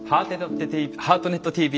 「ハートネットＴＶ